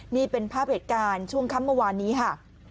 นี่เป็นภาพเหตุการณ์ช่วงค่ำเมื่อวานนี้ค่ะ